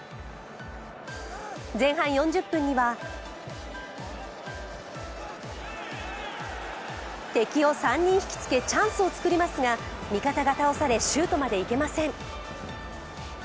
前半４０分には敵を３人引きつけ、チャンスを作りますが味方が倒され、シュートまでいけません。